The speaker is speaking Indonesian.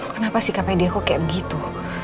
kenapa sikapnya deh kok kayak begitu